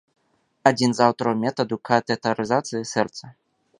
Адзін з аўтараў метаду катэтарызацыі сэрца.